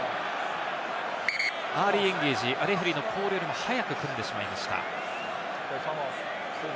アーリーエンゲージ、レフェリーのコールよりも早く組んでしまいました。